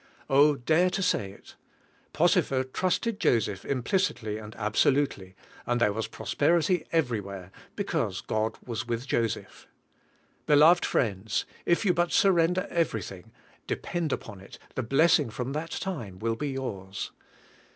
Oh, dare to say it. Potiphar trusted Joseph implicitly and absolutely, and there was prosperity every where, because God was with Joseph. Beloved friends, if you but surrender everything, depend upon it, the blessing from that time will be yours.